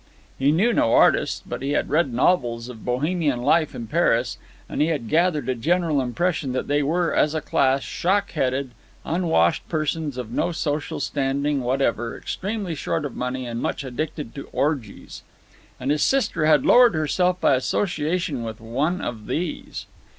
He knew no artists, but he had read novels of Bohemian life in Paris, and he had gathered a general impression that they were, as a class, shock headed, unwashed persons of no social standing whatever, extremely short of money and much addicted to orgies. And his sister had lowered herself by association with one of these.